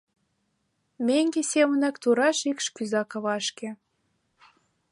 Меҥге семынак тура шикш кӱза кавашке.